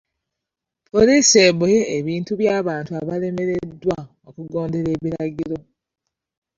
Poliisi eboye ebintu by'abantu abalemereddwa okugondera ebiragiro.